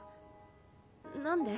何で？